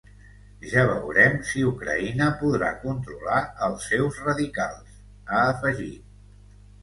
Ja veurem si Ucraïna podrà controlar els seus radicals, ha afegit.